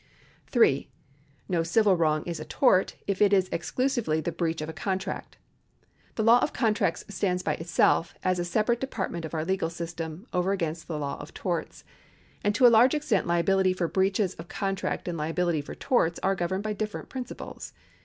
3. No civil wrong is a tort, if it is exclusively the breach of a contract. The law of contracts stands by itself, as a separate department of our legal system, over against the law of torts ; and to a large extent liability for breaches of con tract and liability for torts are governed by different prin ciples.